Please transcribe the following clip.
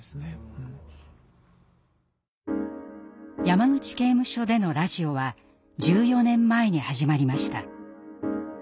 山口刑務所でのラジオは１４年前に始まりました。